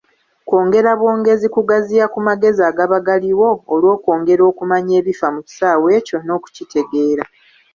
Kwongera bwongezi kugaziya ku magezi agaba galiwo olwokwongera okumanya ebifa ku kisaawe ekyo n’okukitegeera.